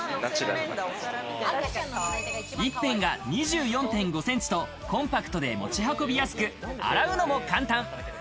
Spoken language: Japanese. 一辺が２４．５ｃｍとコンパクトで持ち運びやすく、洗うのも簡単。